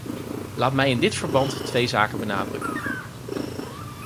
Laat mij in dit verband twee zaken benadrukken.